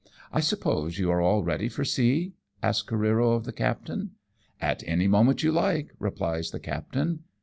I suppose you are all ready for sea?" asks Careero of the captain. "At any moment you like," replies the captain.